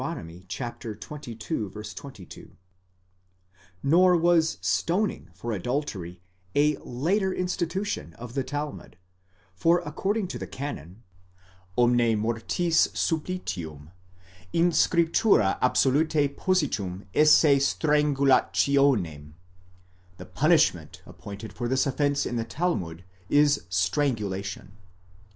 xxii. 22); nor was stoning for adultery a latter institution of the Talmud, for according to the canon: omne mortis supplicium, in scripturd absolute positum esse strangu Jationem,* the punishment appointed for this offence in the Talmud is strangu lation.